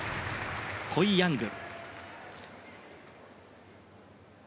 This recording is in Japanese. コイ・ヤング。